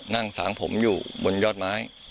ฐานพระพุทธรูปทองคำ